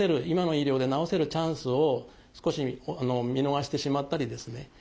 今の医療で治せるチャンスを少し見逃してしまったりですね